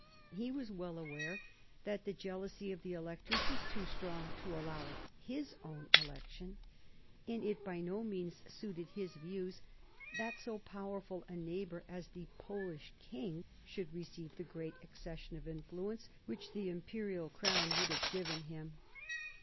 He was well aware that the jealousy of the Electors was too strong to allow of his own election, and it by no means suited his views that so powerful a neighbour as the Polish king should receive the great accession of influence which the Imperial crown would have given 1743 45 WAR OF SUCCESSION 37 him.